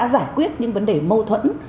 giải quyết những vấn đề mâu thuẫn